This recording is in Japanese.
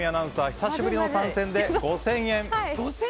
久しぶりの参戦で５０００円。